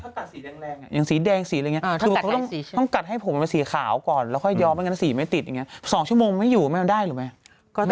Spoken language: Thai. เขาตัดสีแดงอย่างสีแดงสีอะไรอย่างนี้คือเขาต้องกัดให้ผมมันเป็นสีขาวก่อนแล้วค่อยย้อมไม่งั้นสีไม่ติดอย่างนี้๒ชั่วโมงไม่อยู่ไม่เอาได้หรือแม่